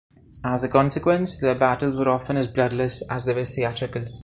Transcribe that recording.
As a consequence, their battles were often as bloodless as they were theatrical.